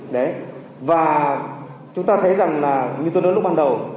đấy và chúng ta thấy rằng là như tôi nói lúc ban đầu